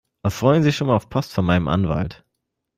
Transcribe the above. Freuen Sie sich schon mal auf Post von meinem Anwalt!